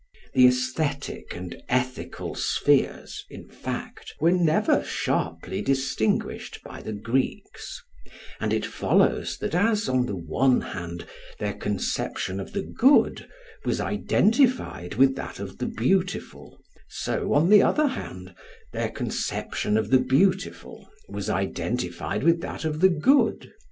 The aesthetic and ethical spheres, in fact, were never sharply distinguished by the Greeks; and it follows that as, on the one hand, their conception of the good was identified with that of the beautiful, so, on the other hand, their conception of the beautiful was identified with that of the good.